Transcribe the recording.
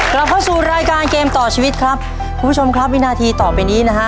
กลับเข้าสู่รายการเกมต่อชีวิตครับคุณผู้ชมครับวินาทีต่อไปนี้นะฮะ